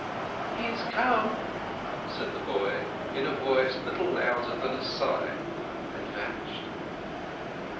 "He is come," said the boy, in a voice little louder than a sigh, and vanished.